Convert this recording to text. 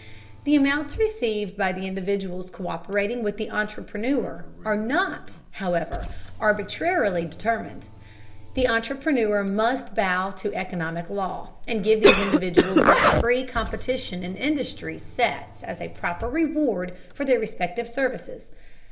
The amounts received by the individuals co÷perating with the entrepreneur are not, however, arbitrarily determined. The entrepreneur must bow to economic law, and give these individuals what free competition in industry sets as a proper reward for their respective services.